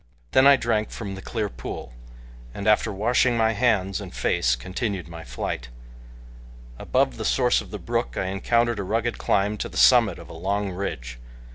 Then I drank from the clear pool, and after washing my hands and face continued my flight. Above the source of the brook I encountered a rugged climb to the summit of a long ridge.